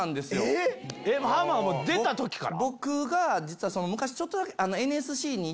えっ⁉ハマが出た時から？